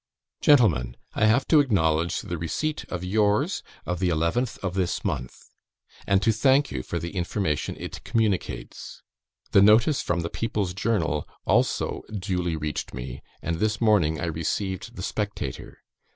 "Gentlemen, I have to acknowledge the receipt of yours of the 11th inst., and to thank you for the information it communicates. The notice from the People's Journal also duly reached me, and this morning I received the Spectator.